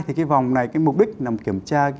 thì cái vòng này cái mục đích là kiểm tra